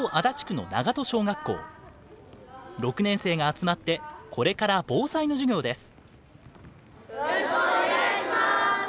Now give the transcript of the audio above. ６年生が集まってこれから防災の授業です。